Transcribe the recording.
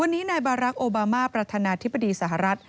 วันนี้นายบารักษ์โอบามาประธานาธิบดีสหรัฐ